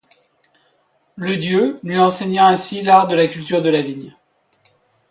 Le dieu lui enseigna ainsi l'art de la culture de la vigne.